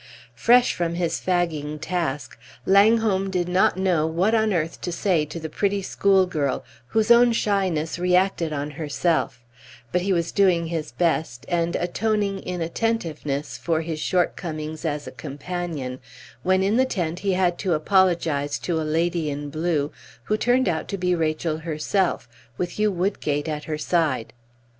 Fresh from his fagging task, Langholm did not know what on earth to say to the pretty schoolgirl, whose own shyness reacted on herself; but he was doing his best, and atoning in attentiveness for his shortcomings as a companion, when in the tent he had to apologize to a lady in blue, who turned out to be Rachel herself, with Hugh Woodgate at her side.